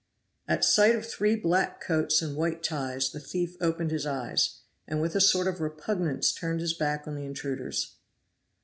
At sight of three black coats and white ties the thief opened his eyes, and with a sort of repugnance turned his back on the intruders.